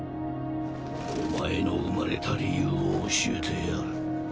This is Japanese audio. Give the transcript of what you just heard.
お前の生まれた理由を教えてやる。